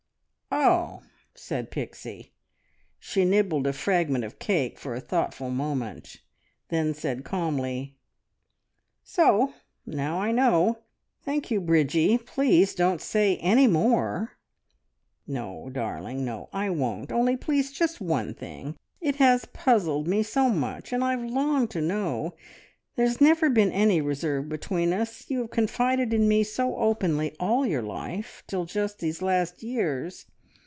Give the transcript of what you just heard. "Oh!" said Pixie. She nibbled a fragment of cake for a thoughtful moment, and then said calmly "So now I know. Thank you, Bridgie. Please don't say any more!" "No, darling, no, I won't; only please just one thing it has puzzled me so much, and I have longed to know. ... There's never been any reserve between us you have confided in me so openly all your life till just these last years.